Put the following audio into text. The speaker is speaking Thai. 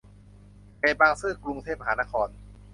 เขตบางซื่อ กรุงเทพมหานคร